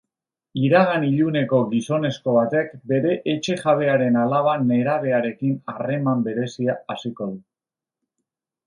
Iragan iluneko gizonezko batek bere etxe-jabearen alaba nerabearekin harreman berezia hasiko du.